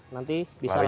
nanti bisa lari ke